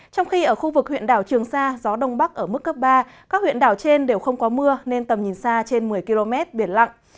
trong khi ở khu vực huyện đảo trường sa gió đông bắc ở mức cấp ba các huyện đảo trên đều không có mưa nên tầm nhìn xa trên một mươi km biển lặng